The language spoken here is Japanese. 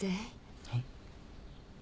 はい。